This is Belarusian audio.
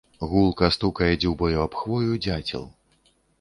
Гулка стукае дзюбаю аб хвою дзяцел.